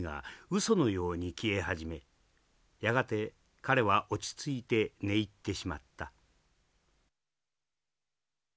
そのように消え始めやがて彼は落ち着いて寝入ってしまった」。